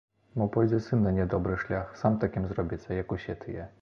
Мо пойдзе сын на нядобры шлях, сам такім зробіцца, як усе тыя.